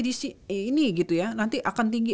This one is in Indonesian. di ini gitu ya nanti akan tinggi